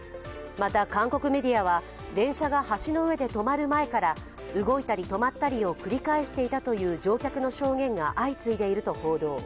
また韓国メディアは、電車が橋の上で止まる前から動いたり止まったりを繰り返していたという乗客の証言が相次いでいると報道。